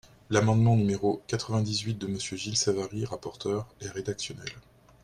L’amendement numéro quatre-vingt-dix-huit de Monsieur Gilles Savary, rapporteur, est rédactionnel.